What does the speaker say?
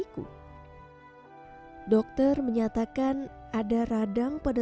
kekuatan kaki dan tangannya mengalami penurunan bertahap